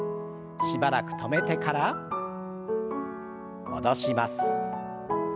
しばらく止めてから戻します。